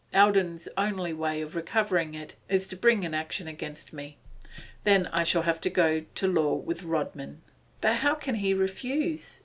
Eldon's only way of recovering it is to bring an action against me. Then I shall have to go to law with Rodman.' 'But how can he refuse?